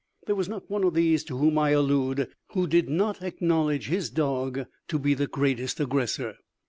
There was not one of these to whom I allude who did not acknowledge his dog to be the greatest aggressor.